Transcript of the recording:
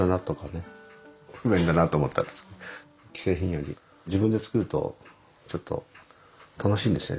既製品より自分で作るとちょっと楽しいんですよね。